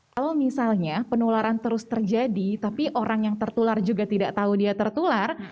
kalau misalnya penularan terus terjadi tapi orang yang tertular juga tidak tahu dia tertular